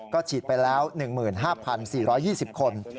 ก็ฉีดไปแล้ว๑๕๔๒๐คน